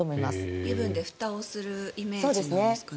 油分でふたをするイメージなんですかね。